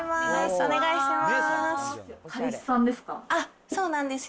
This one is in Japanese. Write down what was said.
お願いします。